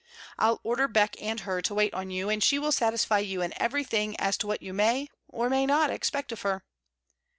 I'll order Beck and her to wait on you, and she will satisfy you in every thing as to what you may, or may not expect of her.